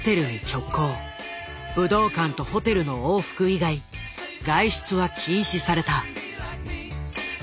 武道館とホテルの往復以外外出は禁止された。